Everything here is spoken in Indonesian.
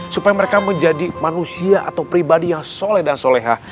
supaya mereka menjadi manusia atau pribadi yang soleh dan solehah